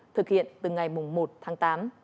thực hiện từ ngày một tháng tám